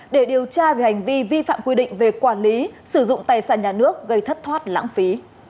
để điều tra về hành vi vi phạm quy định về quản lý sử dụng tài sản nhà nước gây thất thoát lãng phí